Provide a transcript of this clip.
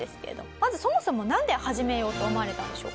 まずそもそもなんで始めようと思われたんでしょうか？